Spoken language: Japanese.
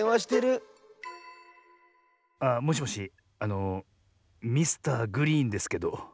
あもしもしあのミスターグリーンですけど。